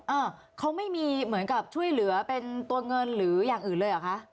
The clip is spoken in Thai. อ่าเขาไม่มีเหมือนกับช่วยเหลือเป็นตัวเงินหรืออย่างอื่นเลยเหรอคะ